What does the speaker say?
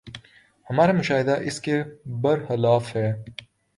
ہمارا مشاہدہ اس کے بر خلاف ہے۔